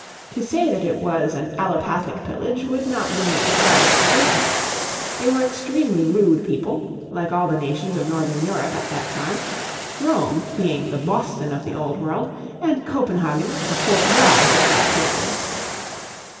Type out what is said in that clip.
To say that it was an allopathic pillage would not be an extravagant statement. They were extremely rude people, like all the nations of northern Europe at that time, Rome being the Boston of the Old World, and Copenhagen the Fort Dodge of that period.